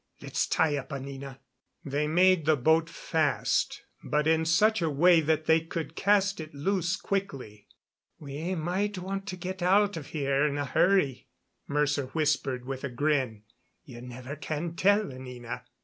"Let's tie up, Anina." They made the boat fast, but in such a way that they could cast it loose quickly. "We might want to get out of here in a hurry," Mercer whispered with a grin. "You never can tell, Anina."